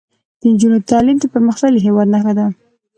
د نجونو تعلیم د پرمختللي هیواد نښه ده.